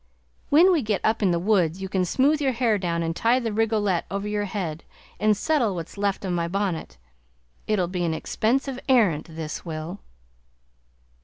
When we get up in the woods you can smooth your hair down and tie the rigolette over your head and settle what's left of my bonnet; it'll be an expensive errant, this will!"